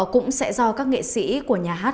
cũng sẽ do các nghệ sĩ của nhà hát